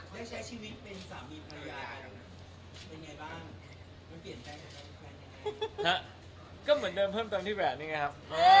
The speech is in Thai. ฮะก็เหมือนเดิมเพิ่มต้นที่แบบนี้เองกะครับ